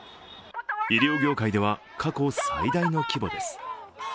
医療業界では過去最大の規模です。